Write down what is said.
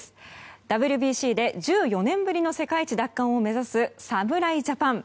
ＷＢＣで１４年ぶりの世界一奪還を目指す侍ジャパン。